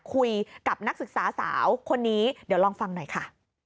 คุยกับนักศึกษาสาวคนนี้เดี๋ยวลองฟังหน่อยค่ะ